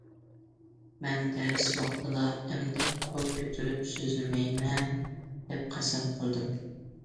مەن دەرس ۋاقتىدا ئەمدى قول كۆتۈرۈپ سۆزلىمەيمەن، دەپ قەسەم قىلدىم.